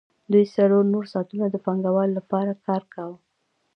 دوی څلور نور ساعتونه د پانګوال لپاره کار کاوه